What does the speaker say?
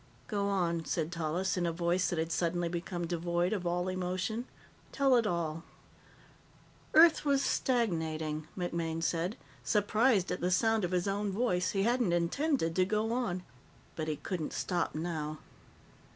"Go on," said Tallis, in a voice that had suddenly become devoid of all emotion. "Tell it all." "Earth was stagnating," MacMaine said, surprised at the sound of his own voice. He hadn't intended to go on. But he couldn't stop now.